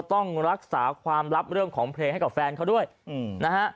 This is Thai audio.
ต้องรักษาความลับเรื่องของเพลงให้กับแฟนเขาด้วยนะฮะ